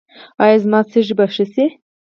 ایا زما سږي به ښه شي؟